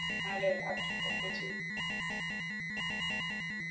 আরে, আপনি তাকে চিনেন না?